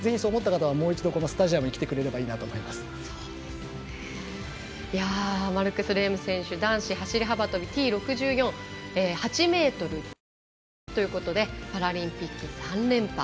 そう思った方はもう一度、スタジアムにマルクス・レーム選手男子走り幅跳びＴ６４８ｍ１８ということでパラリンピック３連覇。